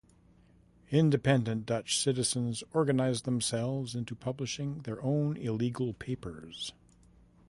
Independent Dutch citizens organized themselves into publishing their own illegal papers.